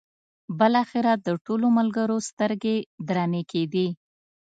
بالاخره د ټولو ملګرو سترګې درنې کېدې.